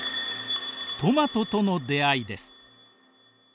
トマトとの出会いです。